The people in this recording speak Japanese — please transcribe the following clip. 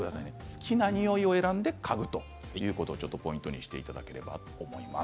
好きな匂いを選んで嗅ぐということをポイントにしていただければと思います。